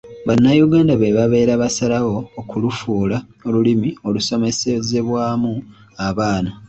Bannayuganda be babeera basalawo okulufuula olulimi olusomesezebwamu abaana.